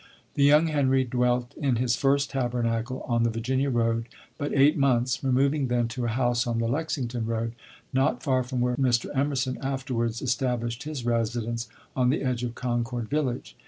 The young Henry dwelt in his first tabernacle on the Virginia road but eight months, removing then to a house on the Lexington road, not far from where Mr. Emerson afterwards established his residence, on the edge of Concord village.